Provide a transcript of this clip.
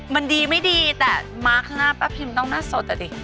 มันดีไม่ดีแต่มาข้างหน้าป๊าพิมน่าสดอ๓๖๐